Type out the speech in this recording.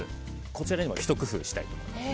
こちらにもひと工夫したいと思います。